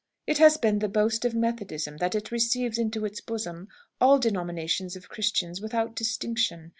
It has been the boast of Methodism that it receives into its bosom all denominations of Christians, without distinction.